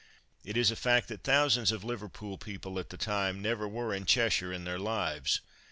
It is a fact that thousands of Liverpool people at that time never were in Cheshire in their lives.